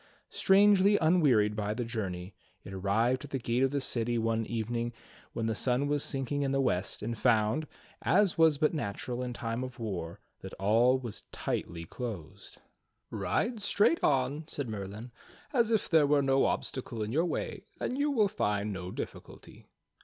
Strangely unwearied by the journey, it arrived at the gate of the city one evening when the sun was sinking in the west, and found, as was but natural in time of war, that all was tightly closed. 30 THE STORY OF KING ARTHUR "Ride straight on," said Merlin, "as if there were no obstacle in your way, and you will find no diflSculty."